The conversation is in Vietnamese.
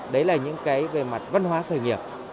đấy là những cái về mặt văn hóa khởi nghiệp